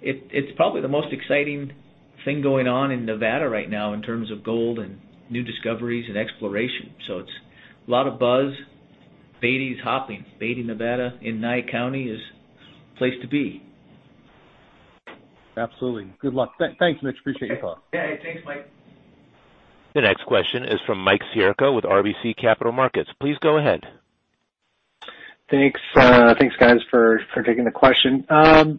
It's probably the most exciting thing going on in Nevada right now in terms of gold and new discoveries and exploration. It's a lot of buzz. Beatty's hopping. Beatty, Nevada, in Nye County is place to be. Absolutely. Good luck. Thanks, Mitch. Appreciate your call. Yeah, thanks, Mike. The next question is from Michael Siperco with RBC Capital Markets. Please go ahead. Thanks. Thanks, guys, for taking the question.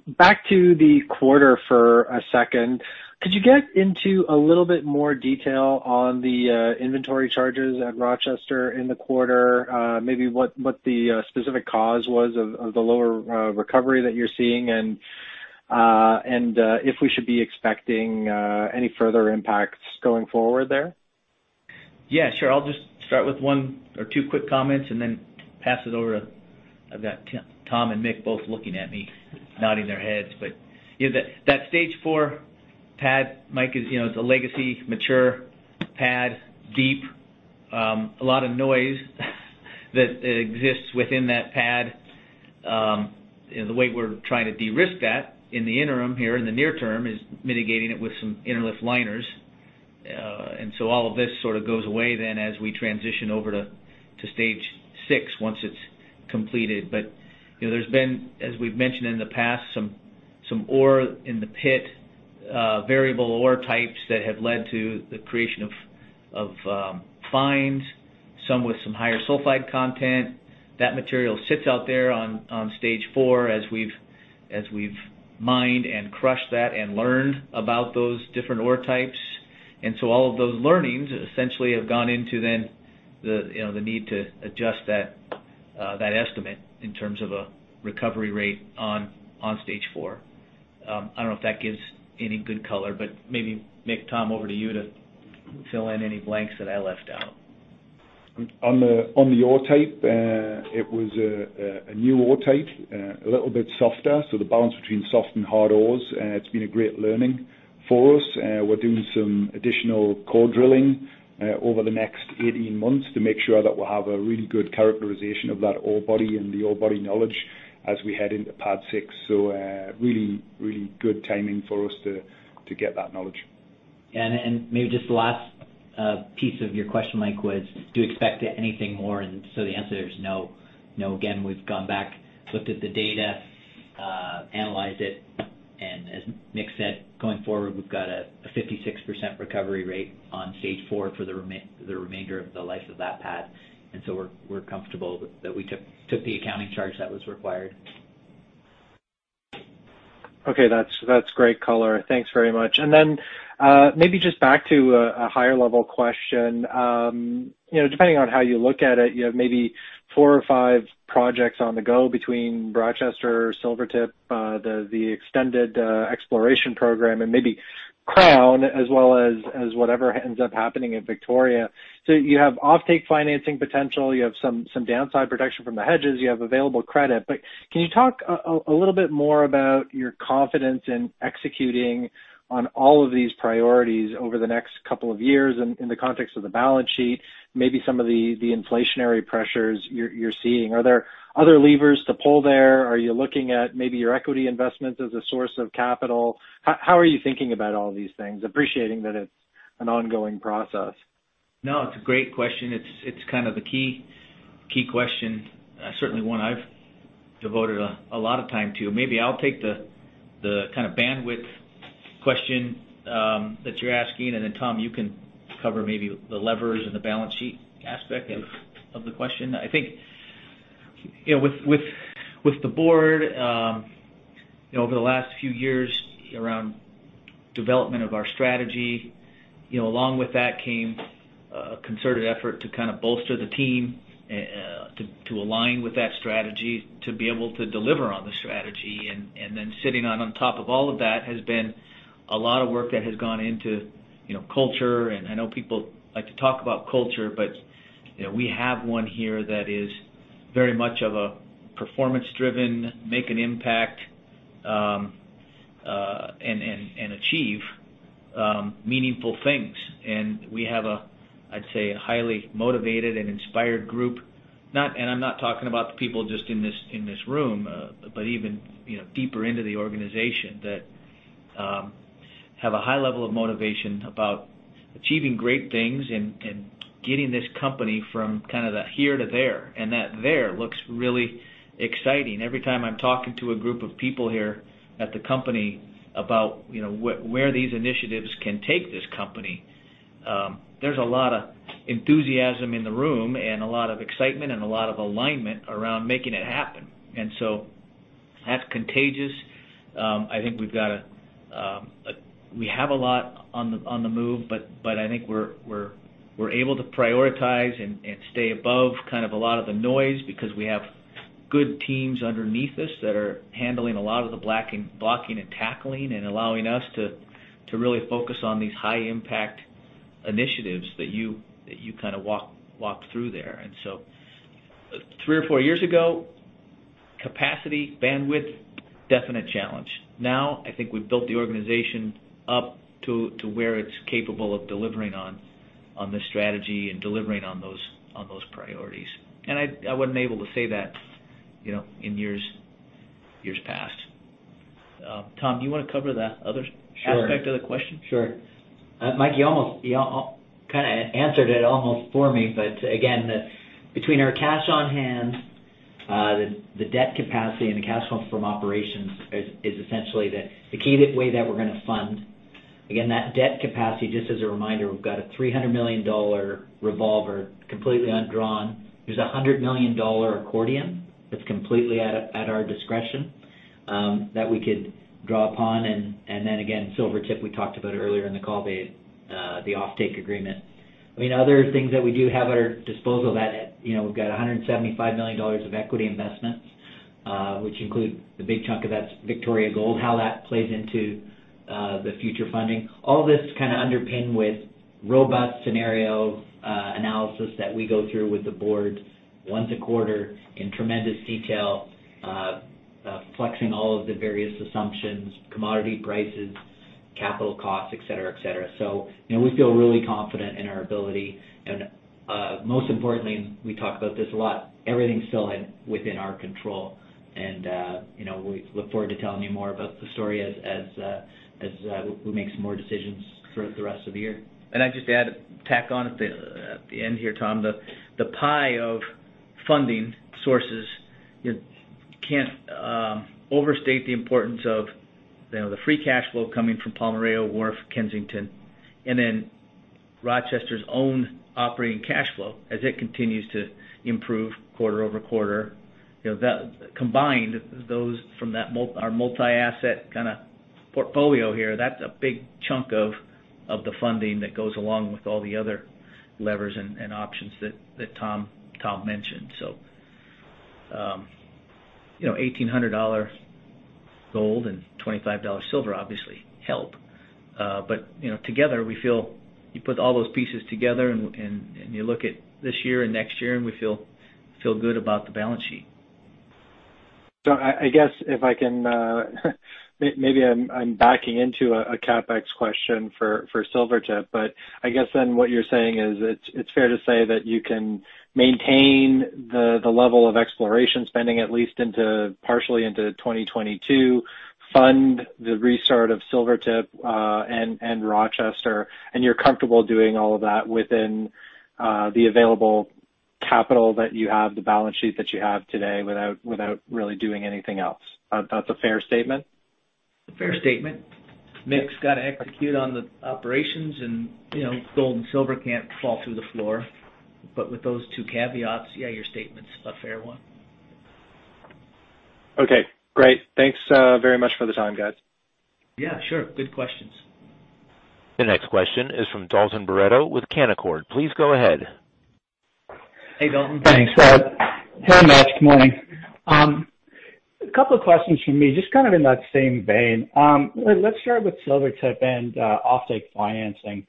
Back to the quarter for a second. Could you get into a little bit more detail on the inventory charges at Rochester in the quarter? Maybe what the specific cause was of the lower recovery that you're seeing, and if we should be expecting any further impacts going forward there? Yeah, sure. I'll just start with one or two quick comments and then pass it over. I've got Tom and Mick both looking at me, nodding their heads. Yeah, that Stage 4 pad, Michael, is a legacy mature pad, deep. A lot of noise that exists within that pad. The way we're trying to de-risk that in the interim here in the near term is mitigating it with some interlift liners. All of this sort of goes away then as we transition over to Stage 6 once it's completed. There's been, as we've mentioned in the past, some ore in the pit, variable ore types that have led to the creation of fines, some with some higher sulfide content. That material sits out there on Stage 4 as we've mined and crushed that and learned about those different ore types. All of those learnings essentially have gone into then the need to adjust that estimate in terms of a recovery rate on Stage 4. I don't know if that gives any good color, but maybe Nick, Tom, over to you to fill in any blanks that I left out. On the ore type, it was a new ore type, a little bit softer. The balance between soft and hard ores, it's been a great learning for us. We're doing some additional core drilling over the next 18 months to make sure that we'll have a really good characterization of that ore body and the ore body knowledge as we head into Stage 6. Really good timing for us to get that knowledge. Maybe just the last piece of your question, Michael, was, do you expect anything more? The answer there is no. Again, we've gone back, looked at the data, analyzed it, and as Nick said, going forward, we've got a 56% recovery rate on Stage 4 for the remainder of the life of that pad. We're comfortable that we took the accounting charge that was required. Okay, that's great color. Thanks very much. Maybe just back to a higher level question. Depending on how you look at it, you have maybe four or five projects on the go between Rochester, Silvertip, the extended exploration program and maybe Crown as well as whatever ends up happening at Victoria. You have offtake financing potential, you have some downside protection from the hedges, you have available credit. Can you talk a little bit more about your confidence in executing on all of these priorities over the next couple of years in the context of the balance sheet, maybe some of the inflationary pressures you're seeing. Are there other levers to pull there? Are you looking at maybe your equity investments as a source of capital? How are you thinking about all these things, appreciating that it's an ongoing process? It's a great question. It's kind of the key question. Certainly one I've devoted a lot of time to. Maybe I'll take the kind of bandwidth question that you're asking, and then Tom, you can cover maybe the levers and the balance sheet aspect of the question. I think, with the board, over the last few years around development of our strategy, along with that came a concerted effort to kind of bolster the team to align with that strategy, to be able to deliver on the strategy. Then sitting on top of all of that has been a lot of work that has gone into culture. I know people like to talk about culture, but we have one here that is very much of a performance driven, make an impact, and achieve meaningful things. We have, I'd say, a highly motivated and inspired group. I'm not talking about the people just in this room, but even deeper into the organization that have a high level of motivation about achieving great things and getting this company from kind of the here to there. That there looks really exciting. Every time I'm talking to a group of people here at the company about where these initiatives can take this company, there's a lot of enthusiasm in the room and a lot of excitement and a lot of alignment around making it happen. That's contagious. I think we have a lot on the move, but I think we're able to prioritize and stay above kind of a lot of the noise because we have good teams underneath us that are handling a lot of the blocking and tackling and allowing us to really focus on these high impact initiatives that you kind of walk through there three or four years ago, capacity, bandwidth, definite challenge. Now, I think we've built the organization up to where it's capable of delivering on the strategy and delivering on those priorities. I wasn't able to say that in years past. Tom, do you want to cover the other aspect of the question? Sure. Mike, you kind of answered it almost for me. Again, between our cash on hand, the debt capacity and the cash flow from operations is essentially the key way that we're going to fund. Again, that debt capacity, just as a reminder, we've got a $300 million revolver completely undrawn. There's a $100 million accordion that's completely at our discretion, that we could draw upon. Again, Silvertip, we talked about earlier in the call, the offtake agreement. Other things that we do have at our disposal that we've got $175 million of equity investments, which include the big chunk of that's Victoria Gold, how that plays into the future funding. All this kind of underpinned with robust scenario analysis that we go through with the board once a quarter in tremendous detail, flexing all of the various assumptions, commodity prices, capital costs, et cetera. We feel really confident in our ability. Most importantly, we talk about this a lot, everything's still within our control. We look forward to telling you more about the story as we make some more decisions throughout the rest of the year. I'd just add, tack on at the end here, Tom, the pie of funding sources, can't overstate the importance of the free cash flow coming from Palmarejo or Kensington and then Rochester's own operating cash flow as it continues to improve quarter-over-quarter. Combined, those from our multi-asset kind of portfolio here, that's a big chunk of the funding that goes along with all the other levers and options that Tom mentioned. $1,800 gold and $25 silver obviously help. Together, you put all those pieces together, and you look at this year and next year, and we feel good about the balance sheet. I guess if I can maybe I'm backing into a CapEx question for Silvertip, but I guess then what you're saying is it's fair to say that you can maintain the level of exploration spending at least partially into 2022, fund the restart of Silvertip, and Rochester, and you're comfortable doing all of that within the available capital that you have, the balance sheet that you have today, without really doing anything else. That's a fair statement? A fair statement. Mick's got to execute on the operations, and gold and silver can't fall through the floor. With those two caveats, yeah, your statement's a fair one. Okay, great. Thanks very much for the time, guys. Yeah, sure. Good questions. The next question is from Dalton Baretto with Canaccord. Please go ahead. Hey, Dalton. Thanks. Hey, Mark. Good morning. A couple of questions from me, just kind of in that same vein. Let's start with Silvertip and offtake financing.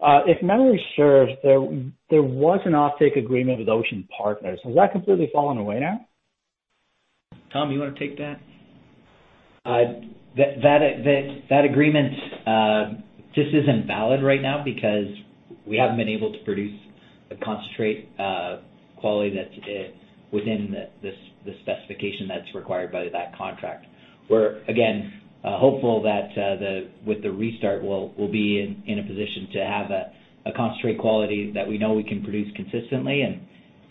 If memory serves, there was an offtake agreement with Ocean Partners. Has that completely fallen away now? Tom, you want to take that? That agreement just isn't valid right now because we haven't been able to produce a concentrate quality that's within the specification that's required by that contract. We're, again, hopeful that with the restart, we'll be in a position to have a concentrate quality that we know we can produce consistently,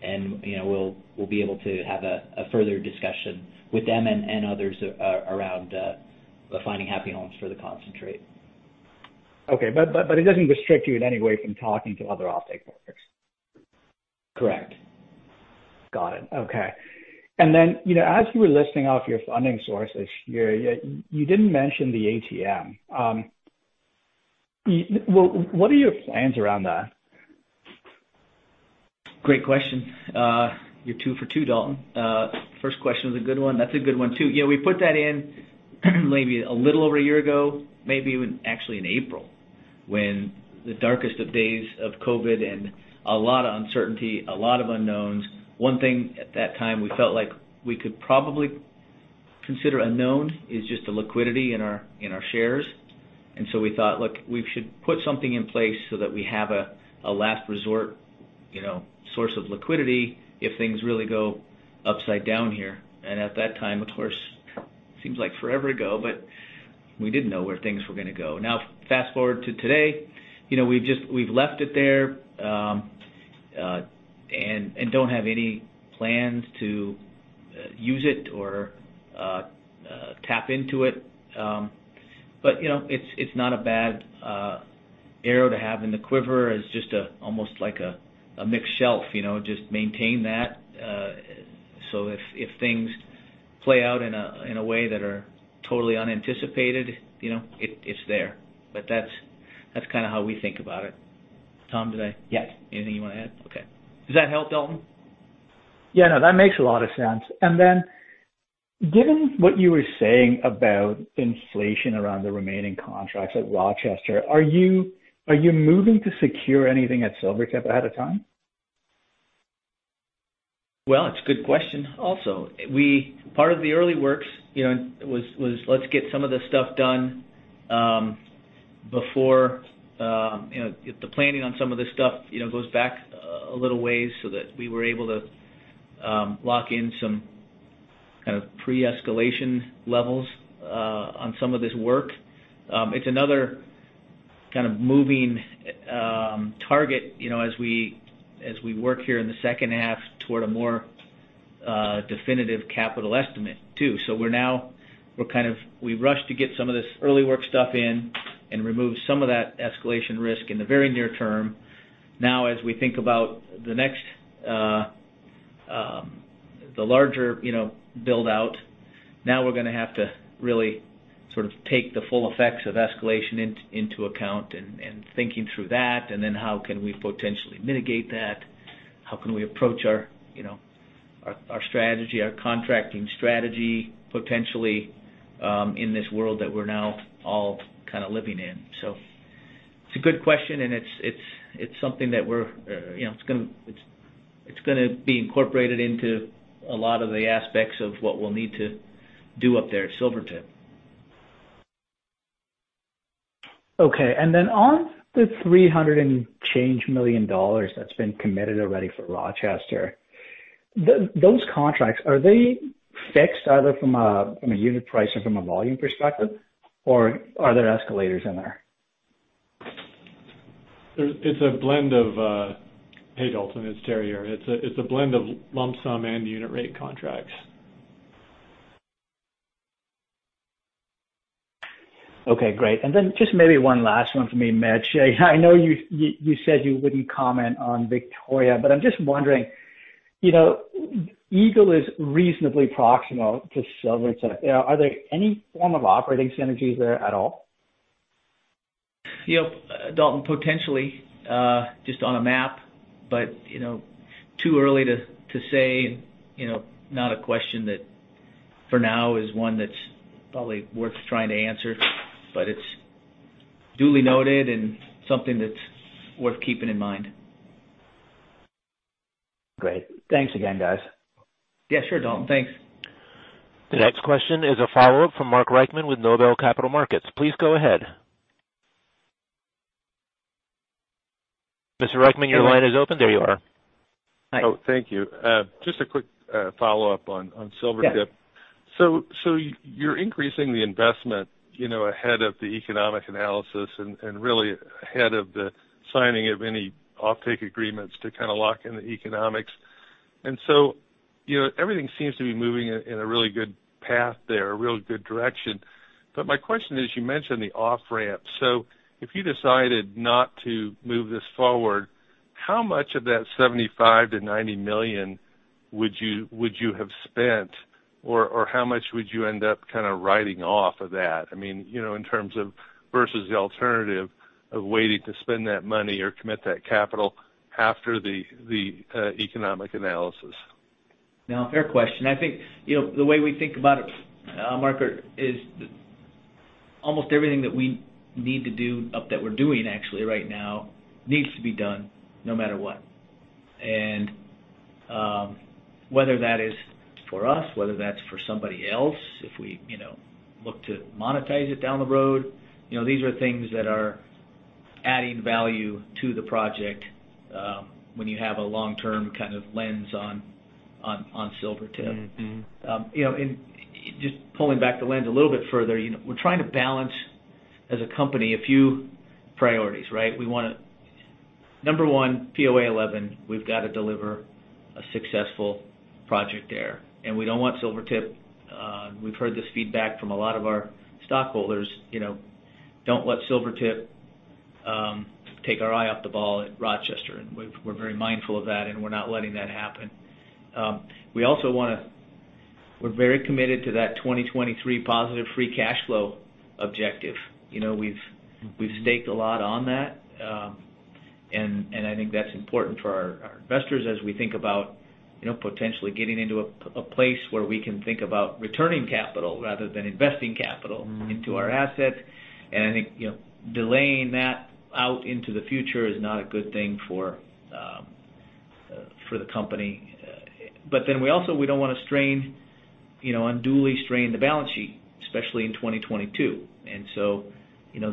and we'll be able to have a further discussion with them and others around finding happy homes for the concentrate. Okay. It doesn't restrict you in any way from talking to other offtake partners? Correct. Got it. Okay. As you were listing off your funding sources here, you didn't mention the ATM. What are your plans around that? Great question. You're two for two, Dalton. First question was a good one. That's a good one, too. We put that in maybe a little over a year ago, maybe even actually in April, when the darkest of days of COVID and a lot of uncertainty, a lot of unknowns. One thing at that time we felt like we could probably consider a known is just the liquidity in our shares. We thought, "Look, we should put something in place so that we have a last resort source of liquidity if things really go upside down here." At that time, of course, seems like forever ago, but we didn't know where things were going to go. Fast-forward to today, we've left it there, and don't have any plans to use it or tap into it. It's not a bad arrow to have in the quiver. It's just almost like a mixed shelf, just maintain that, so if things play out in a way that are totally unanticipated, it's there. That's kind of how we think about it. Tom, anything you want to add? Okay. Does that help, Dalton? Yeah, no, that makes a lot of sense. Given what you were saying about inflation around the remaining contracts at Rochester, are you moving to secure anything at Silvertip ahead of time? Well, it's a good question also. Part of the early works was let's get some of this stuff done before. The planning on some of this stuff goes back a little ways so that we were able to lock in some kind of pre-escalation levels on some of this work. It's another kind of moving target as we work here in the second half toward a more definitive capital estimate, too. We rushed to get some of this early work stuff in and remove some of that escalation risk in the very near term. Now, as we think about the larger build-out, now we're going to have to really sort of take the full effects of escalation into account, and thinking through that. How can we potentially mitigate that? How can we approach our strategy, our contracting strategy, potentially, in this world that we're now all kind of living in? It's a good question, and it's something that it's going to be incorporated into a lot of the aspects of what we'll need to do up there at Silvertip. Okay. On the $300 and change million that's been committed already for Rochester, those contracts, are they fixed either from a unit price or from a volume perspective, or are there escalators in there? Hey, Dalton, it's Terry here. It's a blend of lump sum and unit rate contracts. Okay, great. Just maybe one last one from me, Mitch. I know you said you wouldn't comment on Victoria, but I'm just wondering, Eagle is reasonably proximal to Silvertip. Are there any form of operating synergies there at all? Dalton, potentially, just on a map, but too early to say. Not a question that, for now, is one that's probably worth trying to answer. It's duly noted and something that's worth keeping in mind. Great. Thanks again, guys. Yeah, sure, Dalton. Thanks. The next question is a follow-up from Mark Reichman with Noble Capital Markets. Please go ahead. Mr. Reichman, your line is open. There you are. Oh, thank you. Just a quick follow-up on Silvertip. Yes. You're increasing the investment ahead of the economic analysis and really ahead of the signing of any offtake agreements to kind of lock in the economics. Everything seems to be moving in a really good path there, a real good direction. My question is, you mentioned the off-ramp. If you decided not to move this forward, how much of that $75 million-$90 million would you have spent, or how much would you end up kind of writing off of that? In terms of versus the alternative of waiting to spend that money or commit that capital after the economic analysis. No, fair question. I think the way we think about it, Mark, is almost everything that we need to do, that we're doing actually right now, needs to be done no matter what. Whether that is for us, whether that's for somebody else, if we look to monetize it down the road, these are things that are adding value to the project when you have a long-term kind of lens on Silvertip. Just pulling back the lens a little bit further, we're trying to balance as a company a few priorities, right? Number 1, POA 11, we've got to deliver a successful project there. We don't want Silvertip, we've heard this feedback from a lot of our stockholders, don't let Silvertip take our eye off the ball at Rochester, and we're very mindful of that, and we're not letting that happen. We're very committed to that 2023 positive free cash flow objective. We've staked a lot on that, I think that's important for our investors as we think about potentially getting into a place where we can think about returning capital rather than investing capital into our assets. I think delaying that out into the future is not a good thing for the company. We also don't want to unduly strain the balance sheet, especially in 2022.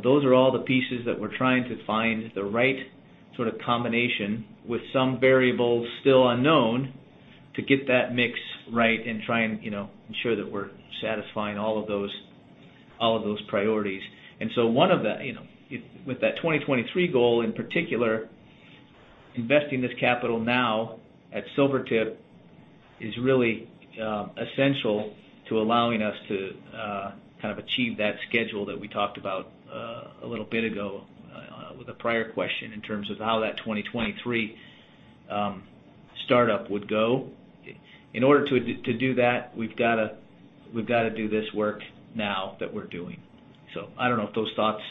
Those are all the pieces that we're trying to find the right sort of combination with some variables still unknown to get that mix right and try and ensure that we're satisfying all of those priorities. With that 2023 goal in particular, investing this capital now at Silvertip is really essential to allowing us to achieve that schedule that we talked about a little bit ago with a prior question in terms of how that 2023 startup would go. In order to do that, we've got to do this work now that we're doing. I don't know if those thoughts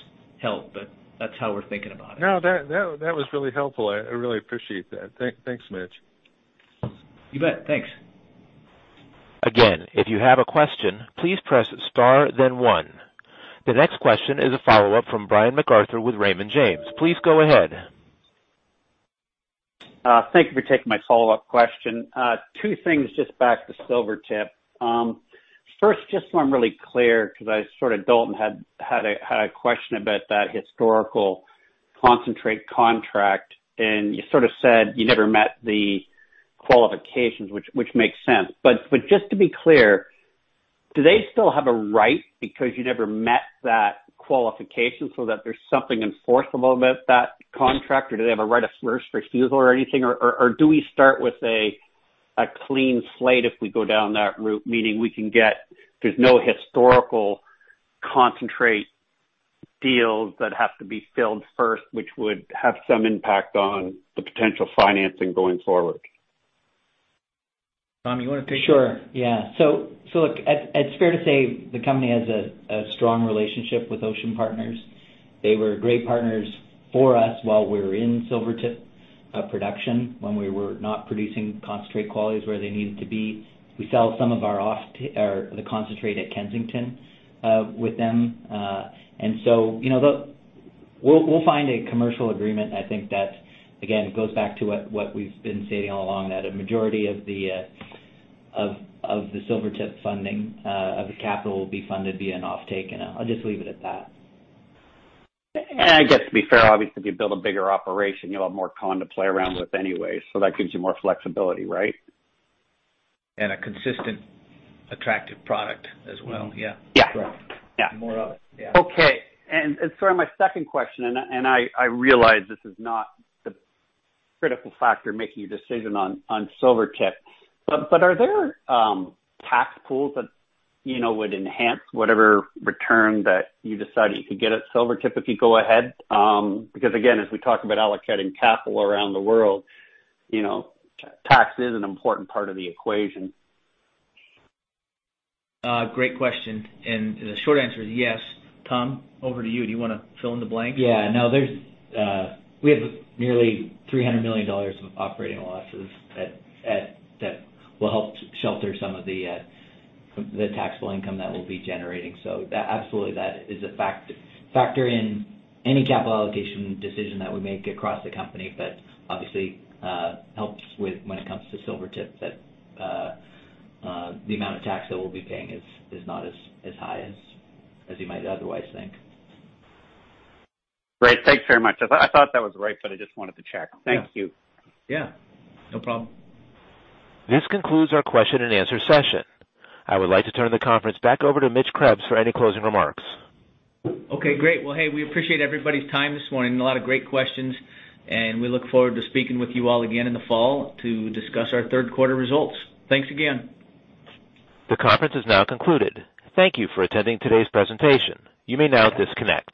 help, but that's how we're thinking about it. No, that was really helpful. I really appreciate that. Thanks, Mitch. You bet. Thanks. Again, if you have a question, please press star then one. The next question is a follow-up from Brian MacArthur with Raymond James. Please go ahead. Thank you for taking my follow-up question. Two things just back to Silvertip. First, just so I'm really clear, because I and Dalton had a question about that historical concentrate contract, and you sort of said you never met the qualifications, which makes sense. Just to be clear, do they still have a right because you never met that qualification so that there's something enforceable about that contract, or do they have a right of first refusal or anything? Do we start with a clean slate if we go down that route? Meaning there's no historical concentrate deals that have to be filled first, which would have some impact on the potential financing going forward. Tom, you want to take that? Sure. Yeah. Look, it's fair to say the company has a strong relationship with Ocean Partners. They were great partners for us while we were in Silvertip production. When we were not producing concentrate qualities where they needed to be, we sell some of the concentrate at Kensington with them. We'll find a commercial agreement. I think that, again, goes back to what we've been stating all along, that a majority of the Silvertip funding of the capital will be funded via an offtake, and I'll just leave it at that. I guess, to be fair, obviously, if you build a bigger operation, you'll have more con to play around with anyway, so that gives you more flexibility, right? A consistent, attractive product as well, yeah. Yeah. More of it, yeah. Okay. Sorry, my second question, and I realize this is not the critical factor making your decision on Silvertip, but are there tax pools that would enhance whatever return that you decide you could get at Silvertip if you go ahead? Again, as we talk about allocating capital around the world, tax is an important part of the equation. Great question. The short answer is yes. Tom, over to you. Do you want to fill in the blank? Yeah. We have nearly $300 million of operating losses that will help shelter some of the taxable income that we'll be generating. Absolutely, that is a factor in any capital allocation decision that we make across the company, but obviously helps when it comes to Silvertip, that the amount of tax that we'll be paying is not as high as you might otherwise think. Great. Thanks very much. I thought that was right, but I just wanted to check. Thank you. Yeah. No problem. This concludes our question and answer session. I would like to turn the conference back over to Mitch Krebs for any closing remarks. Okay, great. Well, hey, we appreciate everybody's time this morning. A lot of great questions. We look forward to speaking with you all again in the fall to discuss our third quarter results. Thanks again. The conference is now concluded. Thank you for attending today's presentation. You may now disconnect.